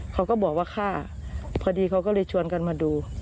เขาก็บอกว่าฆ่าพอดีเขาก็เลยชวนกันมาดู